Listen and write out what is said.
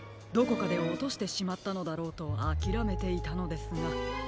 どこかでおとしてしまったのだろうとあきらめていたのですが。